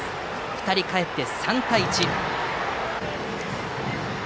２人かえって３対１。